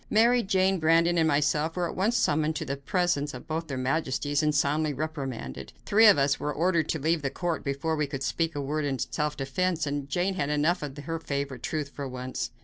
Mary, Jane, Brandon and myself were at once summoned to the presence of both their majesties and soundly reprimanded. Three of us were ordered to leave the court before we could speak a word in self defense, and Jane had enough of her favorite truth for once.